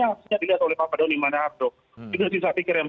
aslinya dilihat oleh pak doni mardado itu sih saya pikir yang